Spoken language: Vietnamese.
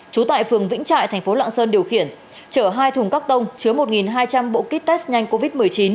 trú tại phường vĩnh trại thành phố lạng sơn điều khiển chở hai thùng các tông chứa một hai trăm linh bộ kit test nhanh covid một mươi chín